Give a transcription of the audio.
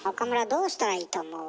どうしたらいいと思う？